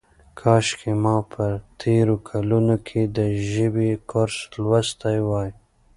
کاشکې ما په تېرو کلونو کې د ژبې کورس لوستی وای.